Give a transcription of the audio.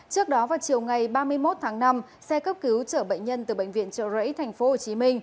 trước đó vào chiều ngày ba mươi một tháng năm xe cấp cứu chở bệnh nhân từ bệnh viện trợ rẫy tp hcm